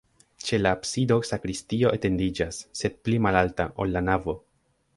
Ĉe la absido sakristio etendiĝas, sed pli malalta, ol la navo.